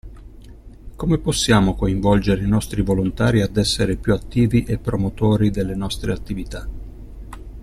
Come possiamo coinvolgere i nostri volontari ad essere più attivi e promotori delle nostre attività?